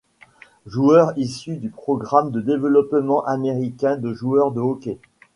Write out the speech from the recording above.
Joueur issue du programme de développement américain de joueurs de hockey.